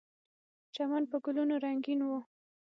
چمن په ګلونو رنګین و.